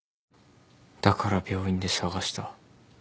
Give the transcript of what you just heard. だから病院で探した。